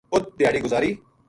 اُت دھیاڑی گزاری